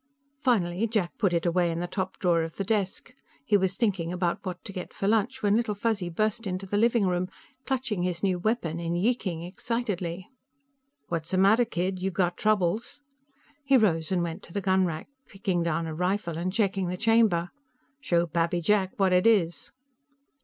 Finally, Jack put it away in the top drawer of the desk. He was thinking about what to get for lunch when Little Fuzzy burst into the living room, clutching his new weapon and yeeking excitedly. "What's the matter, kid? You got troubles?" He rose and went to the gunrack, picking down a rifle and checking the chamber. "Show Pappy Jack what it is."